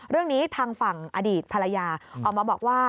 เรื่องนี้ทางฝั่งอดีตภรรยาออกมาบอกว่า